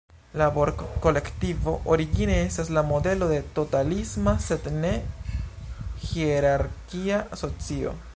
La Borg-kolektivo origine estas la modelo de totalisma, sed ne-hierarkia socio.